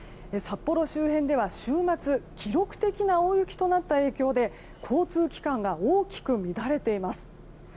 札幌周辺では週末記録的な大雪となった影響で交通機関が大きく乱れています。